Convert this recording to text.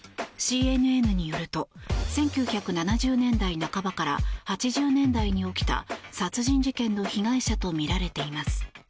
ＣＮＮによると１９７０年代半ばから８０年代に起きた殺人事件の被害者とみられています。